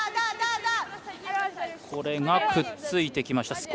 これが、くっついてきました。